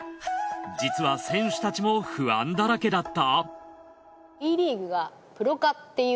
実は選手たちも不安だらけだった？